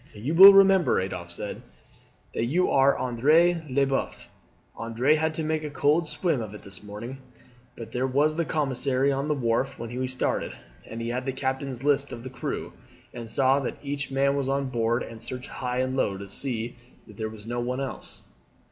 "You will remember," Adolphe said, "that you are Andre Leboeuf. Andre had to make a cold swim of it this morning, for there was the commissary on the wharf when we started, and he had the captain's list of the crew, and saw that each man was on board and searched high and low to see that there was no one else.